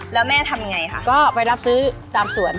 แล้วแม่ทำยังไงค่ะก็ไปรับซื้อตามสวน